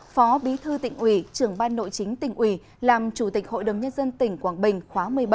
phó bí thư tỉnh ủy trưởng ban nội chính tỉnh ủy làm chủ tịch hội đồng nhân dân tỉnh quảng bình khóa một mươi bảy